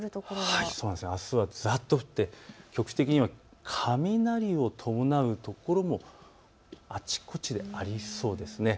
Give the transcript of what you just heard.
あすはざっと降って局地的には雷を伴う所もあちこちでありそうです。